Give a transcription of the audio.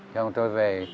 cho nên tôi về